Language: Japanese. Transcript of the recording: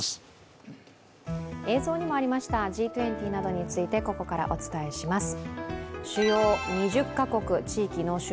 映像にありましたＧ２０などについてここからお伝えします。